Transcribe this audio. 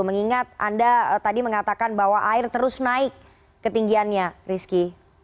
mengingat anda tadi mengatakan bahwa air terus naik ketinggiannya rizky